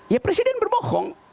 ya presiden berbohong